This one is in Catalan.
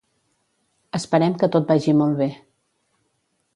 Esperem que tot vagi molt bé